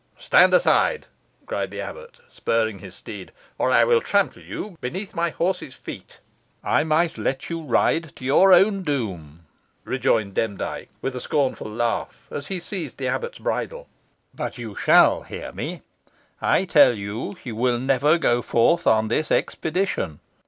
"Stand aside," cried the abbot, spurring his steed, "or I will trample you beneath my horse's feet." "I might let you ride to your own doom," rejoined Demdike, with a scornful laugh, as he seized the abbot's bridle. "But you shall hear me. I tell you, you will never go forth on this expedition.